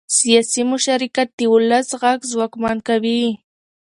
سیاسي مشارکت د ولس غږ ځواکمن کوي